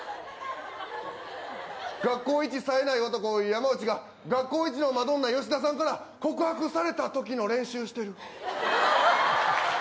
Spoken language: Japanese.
学校一さえない男、山内が学校一のマドンナ、吉田さんから告白されたときの練習してる。